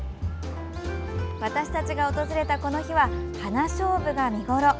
私たちが訪れたこの日はハナショウブが見頃。